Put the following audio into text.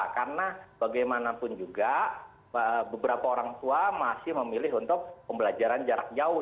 karena bagaimanapun juga beberapa orang tua masih memilih untuk pembelajaran jarak jauh